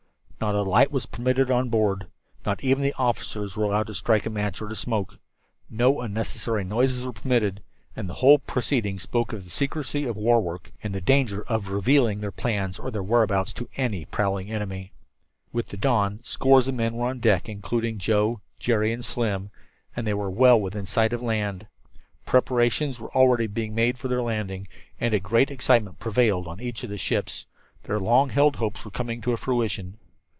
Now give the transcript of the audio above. Not a light was permitted on board. Not even the officers were allowed to strike a match or to smoke. No unnecessary noises were permitted, and the whole proceeding spoke of the secrecy of war work and the danger of revealing their plans or their whereabouts to any prowling enemy. With the dawn, scores of the men were on deck, including Joe, Jerry and Slim and they were well within sight of land. Preparations already were being made for their landing, and a great excitement prevailed on each of the ships. Their long held hopes were coming to fruition.